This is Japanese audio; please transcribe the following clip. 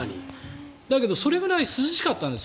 だけどそれくらい涼しかったんです。